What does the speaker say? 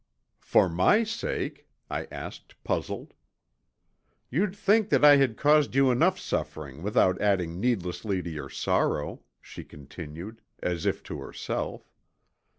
"For my sake?" I asked puzzled. "You'd think that I had caused you enough suffering without adding needlessly to your sorrow," she continued, as if to herself.